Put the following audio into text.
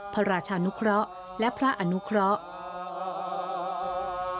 พระราชานุเคราะห์และพระอนุเคราะห์